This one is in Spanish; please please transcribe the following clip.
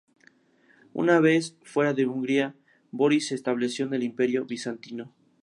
Una vez fuera de Hungría, Boris se estableció en el Imperio bizantino.